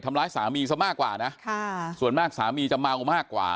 ทำร้ายสามีซะมากกว่านะค่ะส่วนมากสามีจะเมามากกว่า